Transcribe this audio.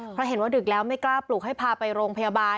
เพราะเห็นว่าดึกแล้วไม่กล้าปลุกให้พาไปโรงพยาบาล